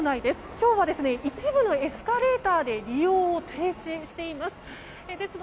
今日は一部のエスカレーターで利用を停止しています。